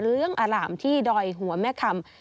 เรื่องอล่ามที่ดอยหัวแม่คำ